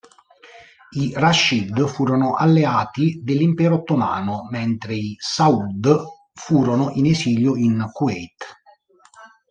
I Rashīd furono alleati dell'Impero ottomano, mentre i Saʿūd furono in esilio in Kuwait.